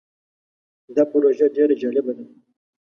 دا پروژه ډیر جالبه ده.